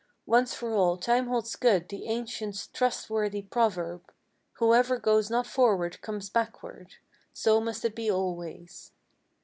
Once for all time holds good the ancients' trustworthy proverb: 'Whoever goes not forward comes backward.' So must it be always."